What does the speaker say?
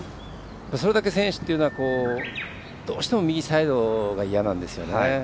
それだけ選手というのはどうしても右サイドが嫌なんですよね。